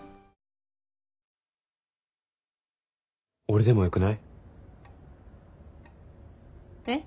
俺でもよくない？えっ？